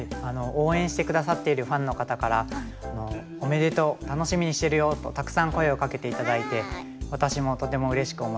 応援して下さっているファンの方から「おめでとう。楽しみにしてるよ」とたくさん声をかけて頂いて私もとてもうれしく思っております。